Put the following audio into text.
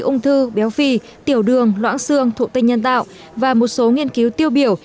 ung thư béo phì tiểu đường loãng xương thụ tinh nhân tạo và một số nghiên cứu tiêu biểu